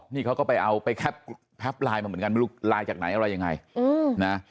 นี่เขาก็ไปเอาไปแคปไลน์มาเหมือนกันไม่รู้ไลน์จากไหนอะไรยังไงนะ